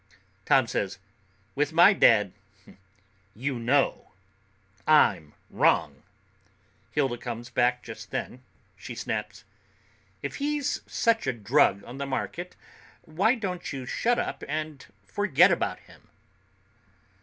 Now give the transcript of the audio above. Tom says, "With my dad, you know: I'm wrong." Hilda comes back just then. She snaps, "If he's such a drug on the market, why don't you shut up and forget about him?"